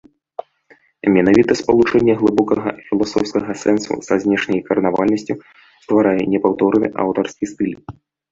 Менавіта спалучэнне глыбокага філасофскага сэнсу са знешняй карнавальнасцю стварае непаўторны аўтарскі стыль.